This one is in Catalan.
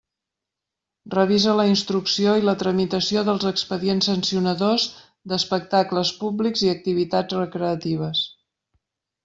Revisa la instrucció i la tramitació dels expedients sancionadors d'espectacles públics i activitats recreatives.